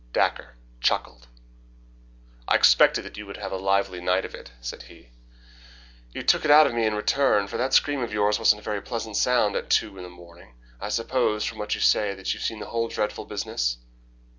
Dacre chuckled. "I expected that you would have a lively night of it," said he. "You took it out of me in return, for that scream of yours wasn't a very pleasant sound at two in the morning. I suppose from what you say that you have seen the whole dreadful business."